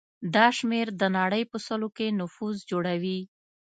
دا شمېر د نړۍ په سلو کې نفوس جوړوي.